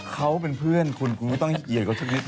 เขาเป็นเพื่อนคุณคุณไม่ต้องเกียรติเขาสักนิด